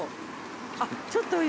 あっちょっと。